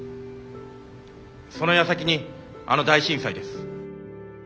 そのやさきにあの大震災です。